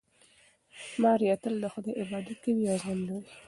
ماریا تل د خدای عبادت کوي او زغم لري.